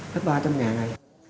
thế ba trăm linh ngàn này